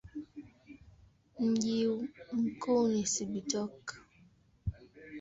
Mji mkuu ni Cibitoke.